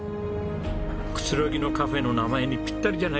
くつろぎのカフェの名前にぴったりじゃないですか。